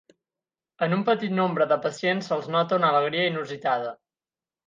En un petit nombre de pacients, se'ls nota una alegria inusitada.